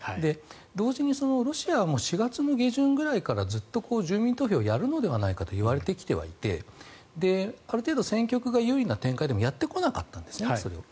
同時にロシアも４月下旬くらいからずっと住民投票をやるのではないかと言われてきてはいてある程度戦局が有利な展開でもやってこなかったんですね。